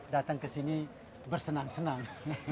datang ke sini bersenang senang